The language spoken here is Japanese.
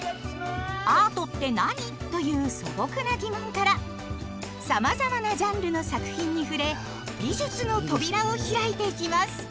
「アートって何？」という素朴な疑問からさまざまなジャンルの作品に触れ美術の扉を開いていきます。